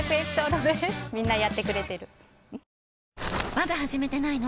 まだ始めてないの？